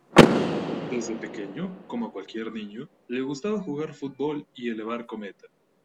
Desde pequeño, como cualquier niño, le gustaba jugar fútbol y elevar cometa.